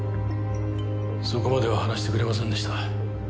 そこまでは話してくれませんでした。